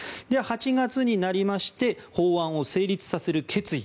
８月になりまして法案を成立させる決議